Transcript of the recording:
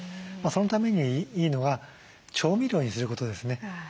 そのためにいいのが調味料にすることですね。